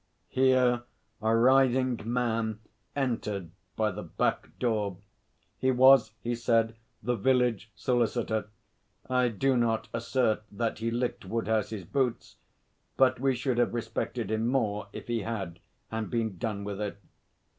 Here a writhing man entered by the back door. He was, he said, the village solicitor. I do not assert that he licked Woodhouse's boots, but we should have respected him more if he had and been done with it.